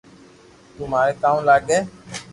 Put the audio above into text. تو ماري ڪاو لاگي